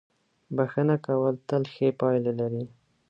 • بښنه کول تل ښې پایلې لري.